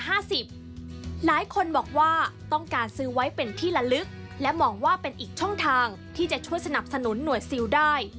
หลายคนบอกว่าต้องการซื้อไว้เป็นที่ละลึกและมองว่าเป็นอีกช่องทางที่จะช่วยสนับสนุนหน่วยซิลได้